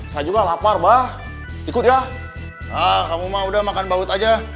saya juga lapar bah ikut ya ah kamu mah udah makan baut aja